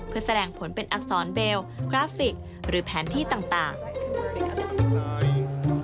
เพื่อแสดงผลเป็นอักษรเบลกราฟิกหรือแผนที่ต่าง